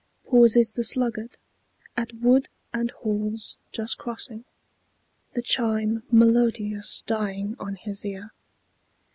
..... Pauses the sluggard, at Wood and Hall's just crossing, The chime melodious dying on his ear.